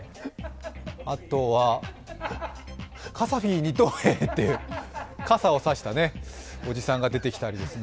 あとは、カサフィ二等兵という傘を差したおじさんが出てきたり。